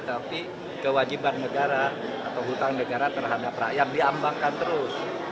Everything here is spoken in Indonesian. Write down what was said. tapi kewajiban negara atau hutang negara terhadap rakyat diambangkan terus